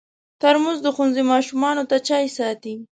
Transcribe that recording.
ترموز د ښوونځي ماشومانو ته چای ساتي.